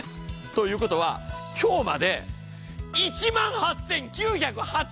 ということは今日まで１万８９８０円。